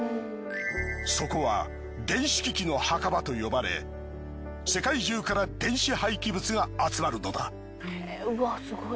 そこは電子機器の墓場と呼ばれ世界中から電子廃棄物が集まるのだ。